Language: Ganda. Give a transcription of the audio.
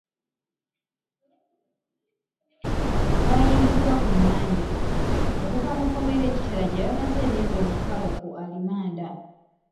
Baayimbuddwa Ku Mmande, okuva mu kkomera e Kitalya gye bamaze emyezi omukaaga ku alimanda.